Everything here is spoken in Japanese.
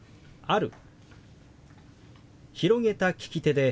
「ある」。